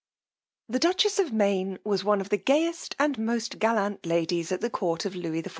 The dutchess of Main was one of the gayest and most gallant ladies at the court of Lewis XIV.